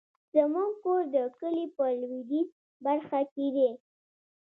زمونږ کور د کلي په لويديځه برخه کې ده